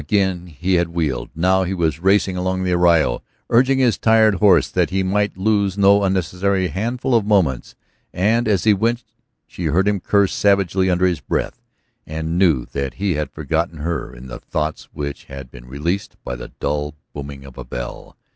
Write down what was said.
Again he had wheeled; now he was racing along the arroyo, urging a tired horse that he might lose no unnecessary handful of moments. And as he went she heard him curse savagely under his breath and knew that he had forgotten her in the thoughts which had been released by the dull booming of a bell.